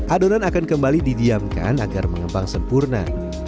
adonan akan kembali didiamkan agar mengembang sempurna